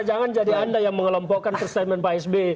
jangan jadi anda yang mengelompokkan perstateman pak sb